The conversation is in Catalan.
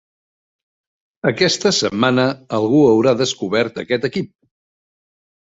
Aquesta setmana algú haurà descobert aquest equip.